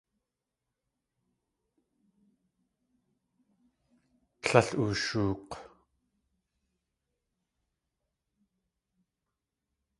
Tlél ooshook̲.